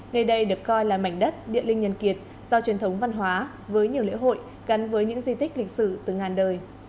nơi đây được coi là mảnh đất địa linh nhân kiệt do truyền thống văn hóa với nhiều lễ hội gắn với những di tích lịch sử từ ngàn đời